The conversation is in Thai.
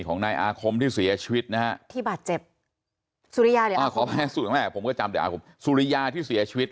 ของนายอาคมที่เสียชีวิตนะฮะที่บาดเจ็บสุริยาสุริยาที่เสียชีวิต